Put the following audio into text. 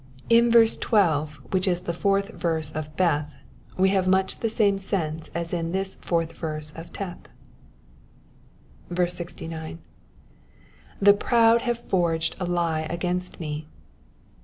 In verse 12, which is the fourth verse of Beth, we have much the same sense as in this fourth verse of Teth. 69. ^^ The proud haw forged a lie against me.